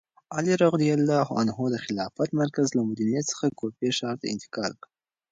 علي رض د خلافت مرکز له مدینې څخه کوفې ښار ته انتقال کړ.